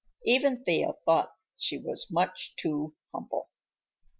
Even Thea thought she was much too humble.